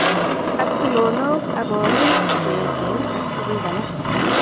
Ak tulonok ak gorik che eechen ak tuguk alak